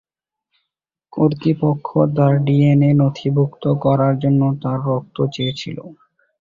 কর্তৃপক্ষ তার ডিএনএ নথিভুক্ত করার জন্য তার রক্ত চেয়েছিল।